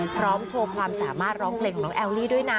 โชว์ความสามารถร้องเพลงของน้องแอลลี่ด้วยนะ